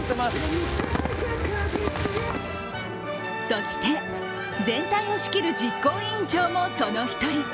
そして、全体を仕切る実行委員長もその一人。